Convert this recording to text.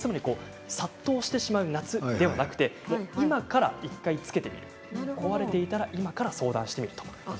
殺到してしまう夏ではなく今から１回つけてみる壊れていたら今から相談してみる。